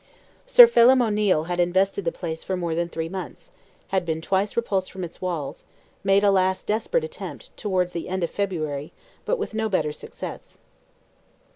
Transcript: Sir Phelim O'Neil had invested the place for more than three months, had been twice repulsed from its walls, made a last desperate attempt, towards the end of February, but with no better success.